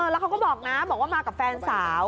แล้วเขาก็บอกนะบอกว่ามากับแฟนสาว